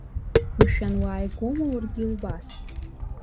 Мшәан уааигәоума уаргьы абас?